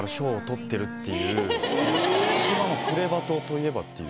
一番『プレバト』といえばっていう。